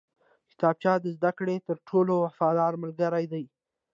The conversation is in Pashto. کتابچه د زده کړې تر ټولو وفاداره ملګرې ده